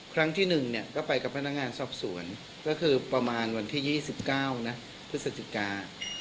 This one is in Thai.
ครั้งที่หนึ่งเนี่ยก็ไปกับพนักงานสอบสวนก็คือประมาณวันที่ยี่สิบเก้านะพฤศจิกา